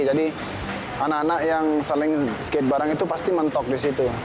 jadi anak anak yang saling skate bareng itu pasti mentok di situ